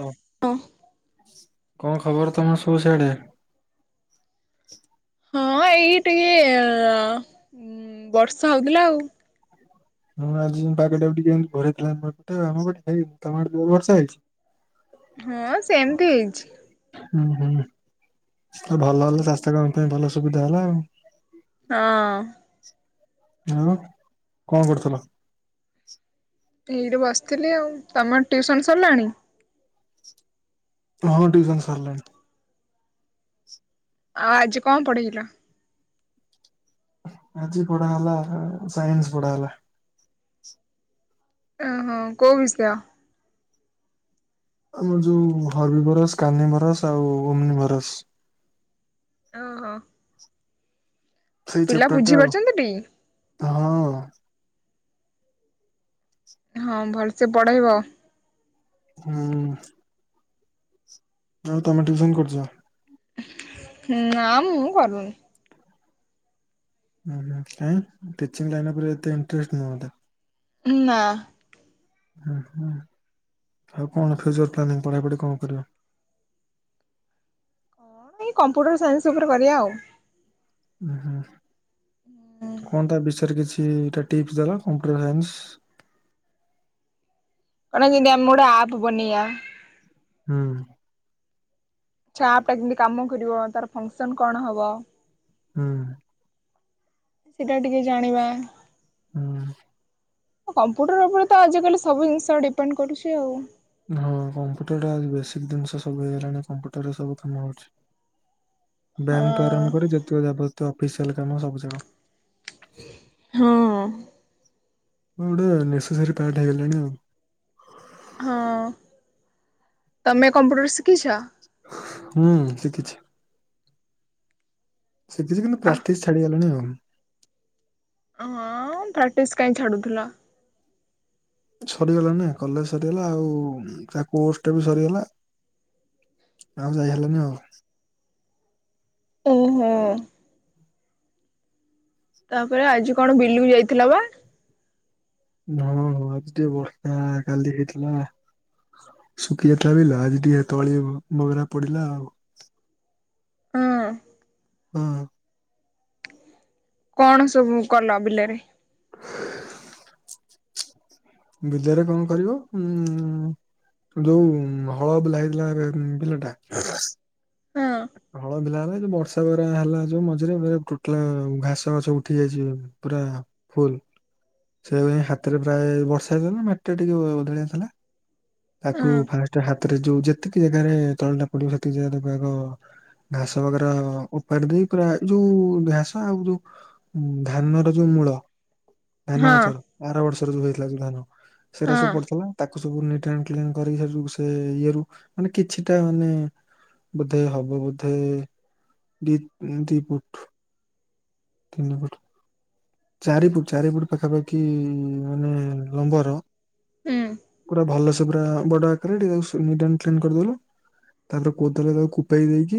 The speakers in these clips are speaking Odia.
ହଁ କଣ ଖବର ତମ ସବୁ ସାଡେ। ହଁ ଏଇ ଟିକେ ବର୍ଷା ହଉଥିଲା ଆଉ। ହଁ ଆଜି ପାଗଟା ବି ଟିକେ ଏମତି ଘୋରେଇଥିଲା ଆଉ, ମୁଁ କହିଲି ଭାଇ ତମ ଆଡେ ଜୋର୍ ବର୍ଷା ହେଇଛି? ହଁ ସେମତି ହେଇଛି। ହୁଁ ହୁଁ। ଭଲ ହେଲ ସ୍ୱାସ୍ଥ୍ୟ କାମ ପାଇଁ ଭଲ ସୁବିଧା ହେଲା ଆଉ। ହଁ। ହଁ କଣ କରୁଥିଲ? ଏଇଠି ବସିଥିଲି ଆଉ, ତମର ଟିଉସନ ସରିଲାଣି? ହଁ ଟିଉସନ୍ ସରିଲାଣି। ଆ ଆଜି କଣ ପଢେଇଲ? ଆଜି ପଢା ହେଲା ସାଇନ୍ସ ପଢା ହେଲା। ଓ ହୋ, କୋଉ ବିଷୟ? ଆମର ଯୋଉ ହର୍ବି ଭରସ, କାହ୍ନି ଭରସ ଆଉ ଓମନି ଭରସ। ଓ ହୋ। ସେଇ ପିଲା ଚାପ୍ଟର ଟା ବୁଝି ଆଉ। ପାରୁଛନ୍ତି ଟି? [inaudible] ହଁ, ଭଲସେ ପଢେଇବ । ହୁଁ। ଆଉ ତମେ ଟ୍ୟୁସନ କରୁଛ? ନା ମୁଁ କରୁନି। କାଇଁ ଟିଚିଂ ଲାଇନ ଉପରେ ଏତେ ଇଣ୍ଟରେଷ୍ଟ ନୁହଁ ବଧେ? ନା। ଆଉ କଣ ଫ୍ୟୁଚର ପ୍ଲାନିଂ ପଢାପଢି କଣ କରିବ? କଣ ଏଇ କମ୍ପ୍ୟୁଟର ସାଇନ୍ସ ଉପରେ କରିବା ଆଉ। ଉଁ ହୁଁ। କଣ ତା ବିସୟରେ କିଛି? ଟିପ୍ସ ଦେଲ, କମ୍ପ୍ୟୁଟର୍ ସାଇନ୍ସ। [unintelligible] ଯେମତିି ଆମେ ଗୋଟେ ଆପ ବନେଇବା। ହୁଁ। ସେ ଚାପ ଟା କେମତି କାମ କରିବ ତାର ଫଙ୍କସନ କଣ ହବ? ହୁଁ। ସେଟା ଟିକେ ଜାଣିବା। ହୁଁ। କମ୍ପ୍ୟୁଟର ଉପରେ ତ ଆଜିକାଲି ସବୁ ଜିନିଷ ଡିପେଣ୍ଡ କରୁଛି ଆଉ। ହଁ କମ୍ପୁଟରଟା ଆଜି ବେସିକ ଜିନିଷ ସବୁ ହେଇଗଲାଣି, କମ୍ପୁଟରରେ ସବୁ କାମ ହଉଛି। ବ୍ୟାଙ୍କ ଠୁଁ ହଁ। ଆରମ୍ଭ କରି ଯେତିକ ଯାବତ୍ୟ ଫିସଲ କାମ ସବୁ ଜଣା। ହଁ। ଗୋଟେ ନେସେସରୀ ପ୍ୟାଣ୍ଟ ହେଇଗଲାଣି ଆଉ । ହଁ ତମେ କମ୍ପ୍ୟୁଟର ଶିଖିଛ? ହୁଁ ଶିଖିଛି। ଶିଖିଛି କିନ୍ତୁ ପ୍ରାକ୍ଟିସ ଛାଡିଗଲାଣି ଆଉ। ହଁ ପ୍ରାକ୍ଟିସ୍ କାଇଁ ଛାଡୁଥିଲ। ସରିଗଲାନି ନା କଲେଜ ସରିଗଲା ଆଉ ତା କୋସ ଟା ବି ସରିଗଲା ଆଉ ଯାଇ ହେଲାନି ଆଉ। ଓ ହୋ। ତାପରେ ଆଜି କଣ ବିଲୁକୁ ଯାଇଥିଲ ବା। ହଁ ହଁ ଆଜି ଟିକେ ବର୍ଷା କାଲି ହେଇଥିଲା, ଶୁଖି ଯାଇଥିଲା ବିଲ ଆଜି ଟିକେ ତଳି ବଗରା ପଡିଲା ଆଉ। ହଁ। ହଁ। କଣ ସବୁ କଲ ବିଲରେ? ବିଲରେ କଣ କରିବ ଉ ଯୋଉ ହଳ ବୁଲା ହେଇଥିଲା ଏ ବିଲ ଟା। ହଁ ହଳ ବୁଲା ହେଲା ବର୍ଷଙ୍କର ହେଲା ଯୋଉ ମଝିରେ ମ ଟୋଟାଲ ଘାସ ଘସ ଉଠି ଯାଇଛି, ପୁରା ଫୁଲ ସେ ହାତରେ ପ୍ରାୟ ବର୍ଷା ହେଇଥିଲା ମାଟିଟା ଟିକେ ଓଦଳଆଥିଲା ହଁ ତାକୁ ଫାଷ୍ଟ ହାତରେ ଯୋଉ ଯେତିକି ଜାଗାରେ ଚଳଟା ପଡିବ ସେତିକି ଜାଗା ତାକୁ ଆଗ। ଘାସ ବଗେର ଉପାର ଦେଇ ପୁରା ଏ ଯୋଉ ଘାସ ଆଉ ଯୋଉ ଧାନର ଯୋଉ ମୂଳ। ଧାନ ହଁ ଗଛ ଆର ବର୍ଷ। [unintelligible] ରୁ ଧାନ। ସେଇଟା ସବୁ ହଁ ପଡିଥିଲା ତା [unintelligible] ସେ ଇଏ ରୁ ମାନେ କିଛିଟା ମାନେ ବୋଧେ ହ ବୋଧେ ଦି ଦି ଫୁଟ ତିନି ଫୁଟ ଚାରି ଫୁଟ ଚାରି ଫୁଟ ପାଖାପାଖି ମାନେ ଲମ୍ବର ହୁଁ। ଭଲ ସେ ପୁରା ବଡ ଆକାରରେ ଟିକେ ନିଟ ଆଣ୍ଡ କ୍ଲିନ୍ କରିଦଲୁ ତାପରେ କୋଦଳରେ କୁ କୁପେଇ ଦେଇକି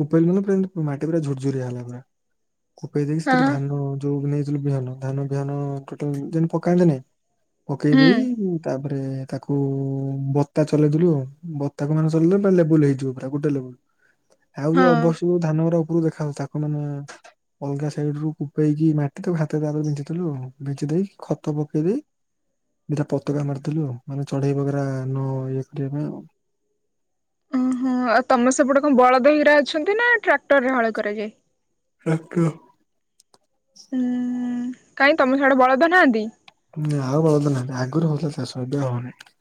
କୁପେଇଲା ଦେଲା ପରେ ମାଟି ପୁରା ଝୁର୍ ଝୁରିଆ ହେଲା ପୁରା । କୁପେଇ ଦେଇକି ସେଥିରେ ହଁ ଧାନ ଯୋଉ ନେଇ ଧାନ ବିହନ ଧାନ ବିହନ ଟୋଟାଲି ଯେମତି ପକାନ୍ତିନି । ପକେଇ ହୁଁ ଦେଇ ତାପ ରେ ତାକୁ ବତା ଚଲେଇଦେଲୁ ବତା କ ମାନେ ଚଲେଇଲେ ପୁରା ଲେବୁଲ ହେଇଯିବ । ତାକୁ ଦେଲେ ଲୁ । ଆଉ ଯୋଉ ହଁ। ଅବଶ୍ୟ ଯ ଧାନ ଉପରୁକୁ ଦେଖ ତାକୁ ମାନେ ଅଲଗା ସାଇଡ ରୁ କୁପେଇକି ମାଟି ତାକୁ ହାତରେ ଦାବିଦେଇ ବିଞ୍ଚିଥିଲୁ ବିଞ୍ଚି ଦେଇକି ଖତ ପକେଇ ଦେଇ ଦିଟା ପତାକା ମାରିଥିଲୁ ମାନେ ଚଢେଇ ବଗରା ନ ଇଏ କରିବା ପାଇଁ ଆଉ। ଓହୋ ଆଉ ତମ ସେପଟେ କଣ ବଳଦ ହେରିକା ଅଛନ୍ତି ନା ଟ୍ରାକ୍ଟରରେ ହଳ କରାଯାଏ। ଟ୍ରାକ୍ଟର। ହୁଁ କାଇଁ ତମ ସିଆଡେ ବଳଦ ନାହାନ୍ତି । ଆଉ ବଳଦ ନାହାଁନ୍ତି ଆଗରୁ ହଉଥିଲା ଚାଷ ଏବେ ହଉନି ।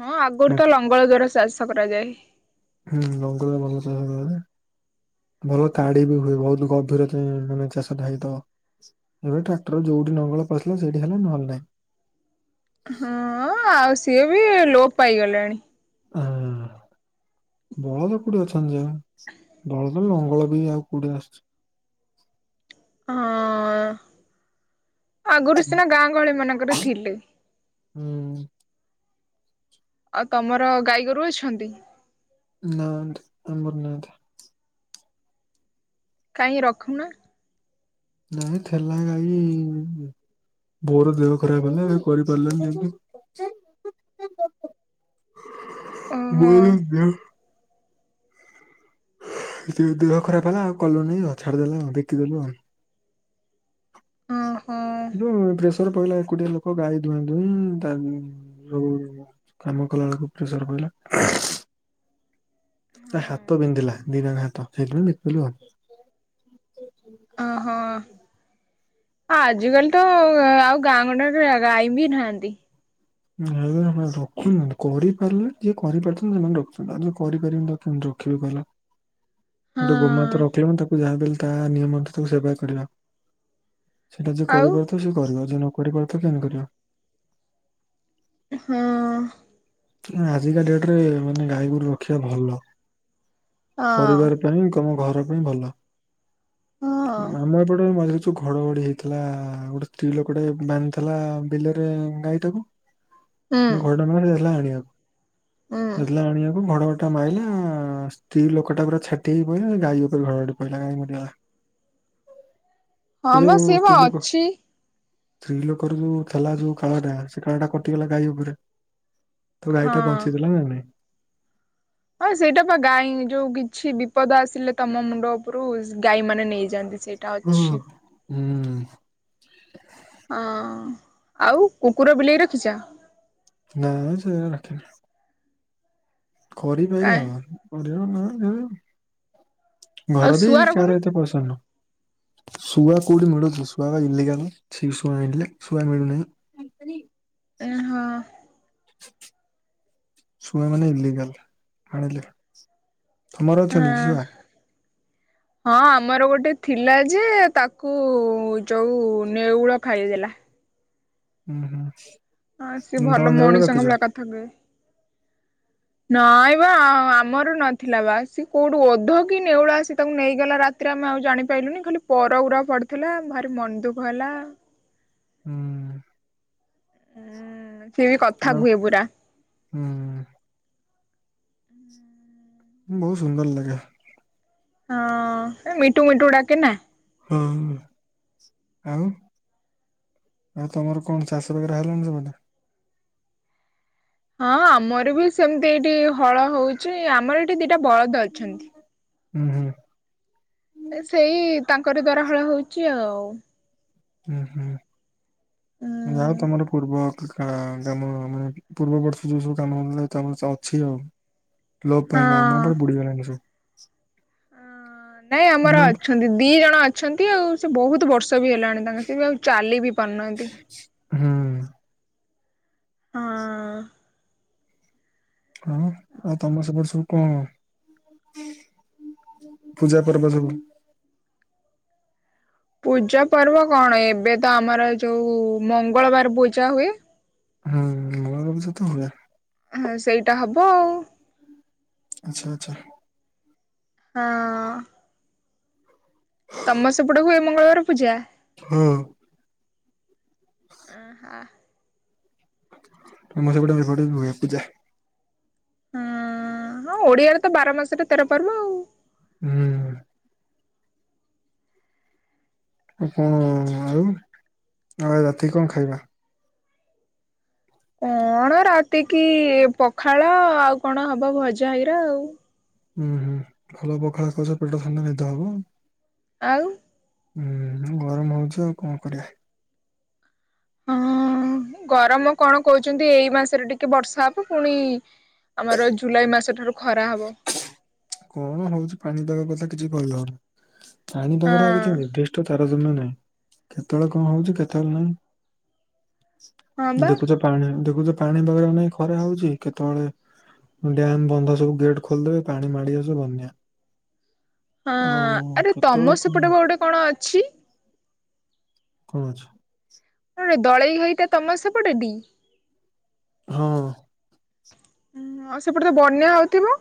ହଁ ଆଗରୁ ତ ଲଙ୍ଗଳ ଦ୍ଵାରା ଚା ଚାଷ କରାଯାଏ। ହୁଁ ଲଙ୍ଗଳ ଭଲ ଚାଷ କରାଯାଏ ଭଲ ତାଡି ବି ହୁଏ ବହୁତ ଗଭୀର ମାନେ ଚାଷ ହେଇଥିବ ଏବେ ଟ୍ରାକ୍ଟର ଯୋଉଠି ଲଙ୍ଗଳ ପଶିଲା ସେଇଠି ହେଲା ନ ହେଲେ ନାହିଁ । ହଁ ଆଉ ସିଏ ବି ଲୋପ ପାଇଗଲଣି। ହଁ ବଳଦ କୋଉଠି ଅଛନ୍ତି ଯଉ ବଳଦର ଲଙ୍ଗଳ ବି ଆଉ କୋଉଠି ଆସୁଛି । ହଁ। ଆଗରୁ ସିନା ଗାଁ ଗହଳି ମାନଙ୍କରେ ଥିଲେ । ହୁଁ। ଆଉ ତମର ଗାଈଗୋରୁ ଅଛନ୍ତି? ନାହାଁନ୍ତି ନା ଆମର ନାହାଁନ୍ତି। କାଇଁ ରଖୁନ। ନାଇଁ ଥିଲା ଗାଈ, ବୋଉର ଦେହ ଖରାପ ହେଲା କରିପାରିଲାନି । ଓହୋ ବୋଉର ଦେ ଦେହ ଖରାପ ହେଲା ଆଉ କଲୁନି ଆଉ ଛାଡିଦେଲା ଆଉ ବିକିଦେଲୁ ଆଉ। ଅ ହୋ । ଯୋଉ ପ୍ରେସର ପଇଲା ଏକୁଟିଆ ଲୋକ ଗାଈ ଦୁହାଁ ଦୁହିଁ ତା ଯୋଉ କାମ କଲା ବେଳକୁ ପ୍ରେସର ପଇଲା । ତା ହାତ ବିନ୍ଧିଲା ଦିଟାଙ୍କ ହାତ [unintelligible] ବିକି ଦେଲୁ ଆଉ। ଆଜି କାଲି ତ ଆଉ ଗାଁ ଗଣ୍ଡାରେ ଗାଈ ବି ନାହାନ୍ତି । ରଖୁ କରିପାରିଲେ ଯିଏ କରିପାରୁଛନ୍ତି ସେମାନେ ରଖୁଛନ୍ତି, ଆଉ ଯେ କରିପାରିବନି ତ କେମିତି ରଖିବି କହିଲ। ଗୋଟେ ହଁ ଗୋମାତା ରଖିଲେ ମୁଁ ତାକୁ ଯାହା ତା ନିୟମକୁ ତାକୁ ସେବା କରିବା । ସେଇଟା ଯିଏ ଆଉ କରିପାରୁଥିବ ସେଏ କରିବ, ଯିଏ ନ କ କରିପାରୁଥିବ କେମିତି କରିବ? ହଁ। ଆଜିକା ଡେଟ ରେ ମାନେ ଗାଈଗୋରୁ ରଖିବା ଭଲ। ହଁ ପରିବାର ପାଇଁ କ ଘର ପାଇଁ ଭଲ। ହଁ। ଆମର ଏପଟେ ମ ଯୋଉ ଘଡଘଡି ହେଇଥିଲା ଗୋଟେ ସ୍ତ୍ରୀଲୋକଟେ ବାନ୍ଧିଥିଲା ବିଲରେ ଗାଈ ଟାକୁ, ହୁଁ ମାନେ ଘଡଘଡ଼ି ମାଇଲା ସେ ଯାଇଥିଲା ଆଣି ହୁଁ କୁ। ଇଥିଲା ଆଣିବାକୁ ଘଡଘଡି ମାଇଲା ସ୍ତ୍ରୀ ଲୋକ ଟା ପୁରା ଛାଟି ହେଇ ପଇଲା, ଗାଈ ଉପରେ ଘଡ଼ଘଡ଼ି ପଇଲା ଗାଈ ମରିିଗଲା। ହଁ ବା ସେ ବା ଅଛି। ସ୍ତ୍ରୀ ଲୋକର ଯୋଉ ଥିଲା ଯୋଉ କାଳଟା ସେ କାଳ ଟା କଟିଗଲା ଗାଈ ଉପରେ। ତ ଗାଈଟା ହଁ। ବଞ୍ଚେଇଦେଲା ନା ନାହିଁ? ହଁ ସେଇଟା ପା ଗାଈ ଯୋଉ କିଛି ବିପଦ ଆସିଲେ ତମ ମୁଣ୍ଡ ଉପରୁ ଗାଈ ମାନେ ନେଇଯି ଜାନ୍ତି ସେଇଟା ଅଛି। ହୁଁ। ଅ ଆଉ କୁକୁର, ବିଲେଇ ରଖିଛ? ନାଇଁ ସେ ରଖିନି। କରିପାରିବା କାଇଁ ଆଉ କରିବା ନା। ହଁ। ଆଉ ଘର ବି ଶୁଆ ରଖୁନ କାହାର ଏତେ ପସନ୍ଦ ନୁହଁ। ଶୁଆ କୋଉଠି ମିଳୁଛି ଶୁଆ ବା ଇଲିଗାଲ। [unintelligible] ଶୁଆ ଆଣିଲେ ଶୁଆ ମିଳୁନାହିଁ। ଓ ହଁ। ଶୁଆ ମାନେ ଇଲିଗାଲ ଆଣିଲେ। ତମର ଅ ଅଛନ୍ତି କି ଶୁଆ? ହଁ ଆମର ଗୋଟେ ଥିଲା ଯେ ତାକୁ-ଉ-ଉ -ଉ ଯୋଉ ନେଉଳ ଖାଇଦେଲା। ହୁଁ ହୁଁ। ହଁ ସିଏ ଉଁ, ତମ ଭଲ ଦେଉଳରେ ମଣିଷଙ୍କ ରଖିଛ? ଭଳିଆ କଥା କୁହେ। ନାଇଁ ବା ଆ ଆମର ନଥିଲା ବା ସିଏ କୋଉଠୁ ଓଧ କି ନେଉଳ ଆସି ତାକୁ ନେଇଗଲା ରାତିରେ ଆମେ ଆଉ ଜାଣିପାଇଲୁନି। ଖାଲି ପର ଉରାକ ପଡିଥିଲା ଭାରି ମନ ଦୁଃଖ ହେଲା। ହୁଁ। ହୁଁ। ସିଏ ବି କଥା ଆଉ କୁହେ ପୁରା। ହୁଁ ବହୁତ ସୁନ୍ଦର ଲାଗେ। ହଁ ଏ ମିଟୁ ମିଟୁ ଡାକେ ନା। ଅ ହ, ଆଉ ଆଉ ତମର କଣ ଚାଷ ବଗେରା ହେଲାଣି ସେପଟେ? ହଁ ଆମର ବି ସେମିତି ଏଇଠି ହଳ ହଉଛି ଆମର ଏଠି ଦିଟା ବଳଦ ଅଛନ୍ତି। ହୁଁ ହୁଁ। ସେଇ ତାଙ୍କରି ଦ୍ୱାରା ହଳ ହଉଛି ଆଉ ହୁଁ ଉଁ ହୁଁ। ଆଉ ତମର ପୂର୍ବ ହଁ ତମ ମାନେ ପୂର୍ବବର୍ଷ ଯୋଉ ସବୁ କାମ [unintelligible] ଅଛି ଆଉ ଲୋପ ପାଇନା ଆମର ଏପଟେ ବୁଡି଼ ଗଲାଣି ସବୁ। [unintelligible] ହଁ। ନାଇଁ ଆମ ଆମର ଏପ- ଅଛନ୍ତି ଦି ଜଣ ଅ ଅଛନ୍ତି ଆଉ ସେ ବହୁତ ବ ୟସ ହେଲାଣି ବି ତାଙ୍କୁ, ସେ ଆଉ ଚାଲି ବି ପାରୁନାହାନ୍ତି। ହୁଁ। ହଁ। ହଁ ଆଉ ତମ ସେପଟେ ସବୁ କଣ ପୂଜା ପର୍ବ ସବୁ? ପୂଜା ପର୍ବ କଣ ଏବେ ତ ଆମର ଯୋଉ-ଉ-ଉ ମଙ୍ଗଳବାର ପୂଜା ହୁଏ। ହୁଁ ହୁଁ ମଙ୍ଗଳ ପୂଜା ତ ହୁଏ। ହଁ ସେଇଟା ହବ ଆଉ। ଆଛା। ହଁ। ତମ ସେପଟେ ହୁଏ ମଙ୍ଗଳବାର ପୂଜା? ହଁ। ଆଁ ହାଁ। ତମ ସେପଟେ [unintelligible] ବି ହୁଏ ପୂଜା। ହଁ-ଅ-ଅ-ଅ ଓଡିଆରେ ତ ବାର ମାସରେ ତେର ପର୍ବ ଆଉ। ହୁଁ। କଣ ଆଉ, ଆଉ ରାତି କି କଣ ଖାଇବା? କଣ ରାତି କି ପଖାଳ ଆଉ କଣ ହବ ଭଜା ହେଇରା ଆଉ। ହୁଁ ହୁଁ ଭଲ ପଖାଳ ଖାଉଛ ପେଟ ଥଣ୍ଡା ନିଦ ହବ ଆଉ। ଆଉ। ହୁଁ ଗରମ ହଉଛି ଆଉ କଣ କରିବା। ହଁ ଗରମ କଣ କହୁଚନ୍ତି ଏଇ ମାସରେ ଟିକେ ବର୍ଷା ହବ ପୁଣି ଆମର ଜୁଲାଇ ମାସ ଠାରୁ ଖରା ହବ କଣ ହଉଛି ପାଣିପାଗ କଥା କିଛି କହିହବନି। ପାଣିପାଗ ରେ ଆଉ ହଁ କିଛି ନିର୍ଦ୍ଧିଷ୍ଟ ତାରତମ୍ୟ ନାହିଁ। କେତେବେଳେ କଣ ହଉଛି କେତେବେଳେ ହଁ ନାହିଁ। ବା ଦେଖୁଛ ପାଣି ଦେଖୁଛ ପାଣି ପାଗ ପାଇଁ ଖରା ହଉଛି, କେତେବେଳେ ଡ୍ୟାମ ବନ୍ଧ ସବୁ ଗେଟ୍ ଖୋଲିଦେବେ ପାଣି ମାଡ଼ି ଆସୁ ବନ୍ୟା ହଁ ଆଉ ଆରେ କେତେବେଳେ ତମ କଣ ହବ? ସେପଟେବା ଗୋଟେ କଣ ଅଛି? କଣ ଅଛି? ହେ ଦଳେଇ ଘାଇ ଟା ତମ ସେପଟେ ଟି? ହଁ। ହଁ ସେପଟେ ତ ବନ୍ୟା ହଉଥିବ?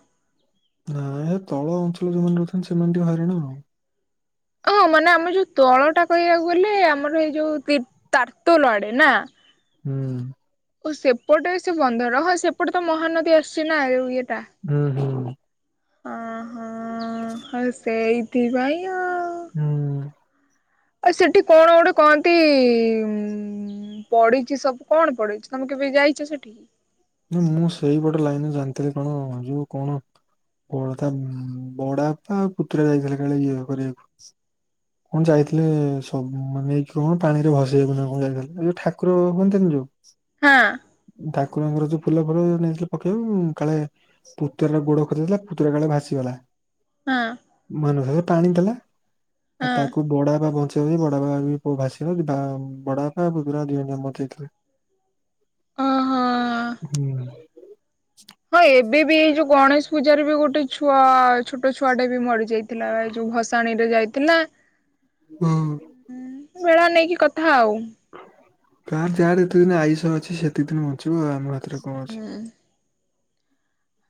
ନାଁ ଏ ତଳ ଅଞ୍ଚଳ ରେ ଯୋଉମାନେ ରହୁଛନ୍ତି ସେମାନେ ଟିକେ ହଇରାଣ ଆଉ। ଓଃ ମାନେ ଆମେ ଯୋଉ ତଳ ଟା କହିବାକୁ ଗଲେ ଆମର ଏଇ ଯୋଉ ବିତ ତାରତୁଲ ଆଡେ ନା? ହୁଁ। ଓ ସେପଟେ ସେ ବନ୍ଧର ହଁ ସେପଟେ ତ ମହାନଦୀ ଆସିଛି ନା ଏ ଉ ୟେ ହୁଁ ହୁଁ। ଅଁ ହଁ ହେ ସେଇଥି ପାଇଁ ଆଉ ହଁ। ଆଉ ସେଠି କଣ ଗୋଟେ କହନ୍ତି ପଡିଛି ସବୁ କଣ ପଡିଚି, ତମେ କେବେ ଯାଇଚ ସେଠି? ମୁଁ ସେଇପଟ ଲାଇନରେ ଜାନଥିଲି କଣ ଯଉ କଣ କଣ ତା ବଡବାପା ଆଉ ପୁତୁରା ଯାଇଥିଲେ କାଳେ ଇଏ କରିବାକୁ କଣ ଯାଇଥିଲେ ସବୁ ମାନେ ନେଇକି କଣ ପାଣିରେ ଭସେଇକୁ ନା କଣ ଯାଇଥିଲେ, ଏ ଯୋଉ ଠାକୁର ହୁଅନ୍ତିନି ଯୋଉ ହଁ। ଠାକୁରଙ୍କ ର ଯୋଉ ଫୁଲ ଫୁଲ ନେଇଥିଲେ ପକେଇବାକୁ କାଳେ ପୁତୁରାର ଗୋଡ ଖସିଯାଇଥିଲା ପୁତୁର କାଳେ ଭାସିଗଲା। ହଁ ମନୋହର। ଟାଣି ଦେଲା। ଆଉ ହଁ ତାକୁ ବଡ଼ାପା ବଞ୍ଚେ ଏଇ ବଡ ବାପା ପୁଅ ଭାସିିବ ତା ବଡ ବାପା ପୁତୁରା ଦିଜଣ ଯାକ ମରି ଯାଇଥିଲେ। ଓହୋ। ହୁଁ। ହଁ ଏବେ ବି ଏଇ ଯୋଉ ଗଣେଶ ପୂଜାରେ ବି ଗୋଟେ ଛୁଆ, ଛୋଟ ଛୁଆଟେ ବି ମରି ଯାଇଥିଲା ଏ ଯୋଉ ଭସାଣୀ ରେ ଯାଇ ନା ବ ଭେଳା ନେଇକି କଥା ଆଉ। କାହାର୍ ଯାଆର ଯେତେ ଦିନ ଆୟୁଷ ଅଛି ସେତିକ ଦିନ ବଞ୍ଚିବ ଆଉ ଆମର ସେଥିରେ କଣ ଅଛି।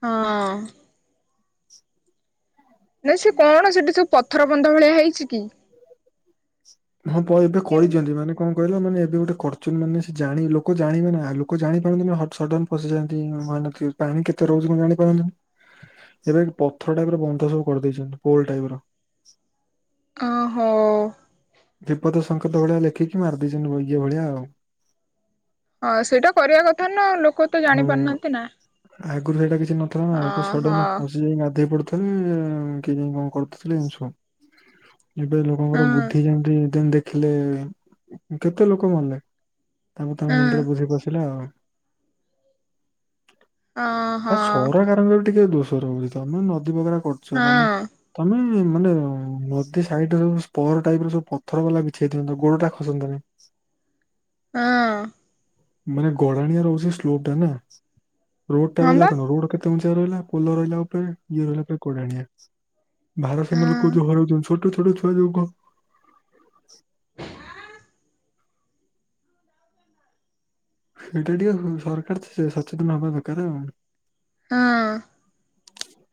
ହଁ-ଅ-ଅ ନାଇ ସେ କଣ ସେଠି ସବୁ ପଥର ବନ୍ଧ ଭଳିଆ ହେଇଛି କି? ହଁ ପ ଏବେ କେମି କହିଛନ୍ତି ମାନେ କଣ କହିଲ ମାନେ ସେଠି ଗୋଟେ କରୁଚୁ ମାନେ ସେ ଜାଣି ଲୋକ ଜାଣିବେ ନା, ଲୋକ ଜାଣିପାରନ୍ତିନି ହଁ ସଡନ୍ ପସିଯାନ୍ତି। [unintelligible] ପାଣି କେତେ ରହୁଛି କଣ ଜାଣିପାରନ୍ତିନି, ଏବେ ପଥର ଟାଇପ ର ବନ୍ଧ ସବୁ କରିଦେଇଛନ୍ତି ପୋଲ ଟାଇପ ର। ଆ ହୋ। ବିପଦ ସଙ୍କେତ ଭଳିଆ ଲେଖିକି ମାରିଦେଇଛନ୍ତି ଇ ଇଏ ଭଳିଆ ଆଉ। ହଁ ସେଇଟା କରିବା କଥା ନା, ଲୋକ ତ ହଁ। ଜାଣିପାରୁନାହାନ୍ତି ନା। ଆଗରୁ ହେଟା କିଛି କେହି ନଥିଲେ ନା ଆଗ ଓହୋ ଶଡ଼ନ ପଶି ଯାଇ ଗାଧୋଇ ପଡୁ। ତଥାପି [unintelligible] କରଥିଲି ସବ୍ ଏବେ ଲୋକଙ୍କର ଭୁଲ ହଁ ସେଦିନ ଦେଖିଲେ କେତେ ଲୋକ, ମଲେ ତାଙ୍କେ ତାଙ୍କ ହଁ ମୁଣ୍ଡରେ ବୁଦ୍ଧି ପସିଲା ଆଉ। ହଁ ହା ହଁ। ସରକାରଙ୍କର ବି ଟିକେ ଦୋଷ ରହୁଛି ତମେ ନଦୀ ବଗା କରୁଛ ହଁ ମାନେ ତମେ ନ ମାନେ-ଏ-ଏ ନଦୀ ସାଇଡ୍ ରେ ସବୁ ସ୍ପଟ ଟାଇପ ର ସବୁ ପଥର ବାଲା ବିଛେଇ ଥାନ୍ତି ଗୋଡ ଟା ଖସତା ନାହିି । ହଁ। ମାନେ ଗଡ଼ାଣିଆ ରହୁଛି ସ୍ଲୋପ ଟା ନା । ରୋଡଟା ହଁ ରହିଲା ବା କଣ ରୋଡ କେ ଉଞ୍ଚା ରହିଲା ପୋଲ ରହିଲା ଉପରେ ଇଏ ରହିଲା ପୁରା ଗଡାଣିଆ । ଭାର ହଁ ସମୟରେ କହୁଛି ଘର ଚେଞ୍ଜ କର। ଛୋଟ ଛୁଆ ଯୋଉ କଣ [unintelligible] ସେଇଟା ଟିକେ ଅ-ଅ-ଅ ସରକାର ତ ସ ସଚେତନ ହବା ଦରକାର ଆଉ। ହଁ।